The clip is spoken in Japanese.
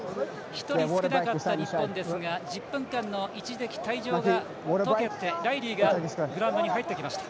１人少なかった日本ですが１０分間の一時期退場が解けてライリーがグラウンドに入ってきました。